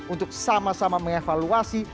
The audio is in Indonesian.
untuk sama sama mengevaluasi